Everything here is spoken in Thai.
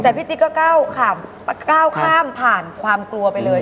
แต่พี่จิ๊กก็ก้าวข้ามผ่านความกลัวไปเลย